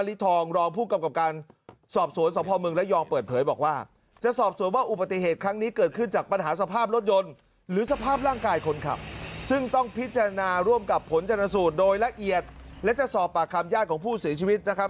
และจะสอบปากคำญาติของผู้เสียชีวิตนะครับ